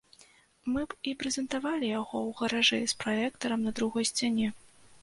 Мы б і прэзентавалі яго ў гаражы, з праектарам на другой сцяне.